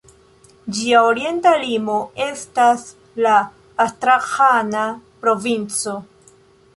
Ĝia orienta limo estas la Astraĥana provinco.